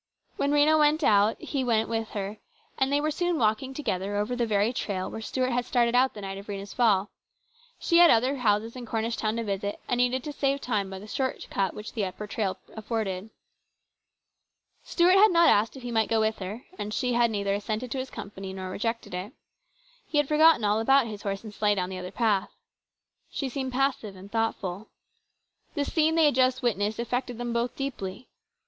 When Rhena went out, he went with her, and they were soon walking together over the very trail where Stuart had started out the night of Rhena's fall. She had other houses in Cornish town to visit, and needed to save time by the short cut which the upper trail afforded. Stuart had not asked if he might go with her, and she had neither assented to his company nor rejected it. He had forgotten all about his horse and sleigh down the other path. She seemed passive and thoughtful. The scene they had just witnessed affected them both deeply.